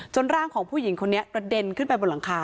ร่างของผู้หญิงคนนี้กระเด็นขึ้นไปบนหลังคา